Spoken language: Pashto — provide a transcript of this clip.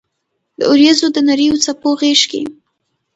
د اوریځو د نریو څپو غېږ کې